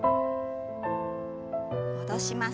戻します。